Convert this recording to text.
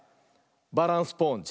「バランスポーンジ」。